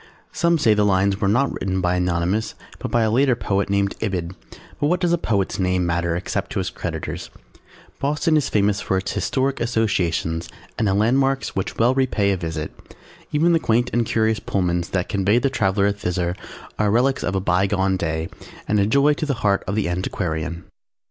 "_ Some say the lines were not written by Anonymous but by a later poet named Ibid, but what does a poet's name matter except to his creditors? Boston is famous for its historic associations and landmarks which well repay a visit. Even the quaint and curious Pullmans that convey the traveller thither are relics of a bygone day and a joy to the heart of the antiquarian.